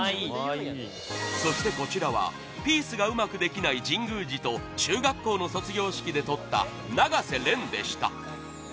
そして、こちらはピースがうまくできない神宮寺と中学校の卒業式で撮った永瀬廉でした